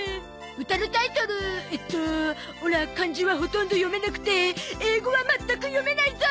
歌のタイトルえっとオラ漢字はほとんど読めなくて英語はまったく読めないぞ！